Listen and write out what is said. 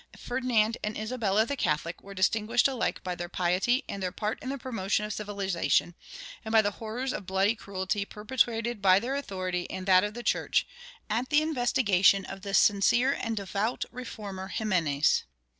Ferdinand and Isabella the Catholic were distinguished alike by their piety and their part in the promotion of civilization, and by the horrors of bloody cruelty perpetrated by their authority and that of the church, at the instigation of the sincere and devout reformer Ximenes.